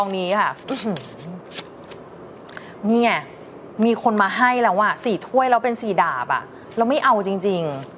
นี่ไงมีคนมาให้แล้ว๔ถ้วยแล้วเป็น๔ดาบเราไม่เอาจริง